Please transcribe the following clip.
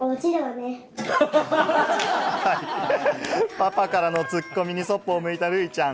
パパからのツッコミにそっぽを向いた、るいちゃん。